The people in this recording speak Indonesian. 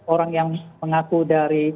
orang yang mengaku dari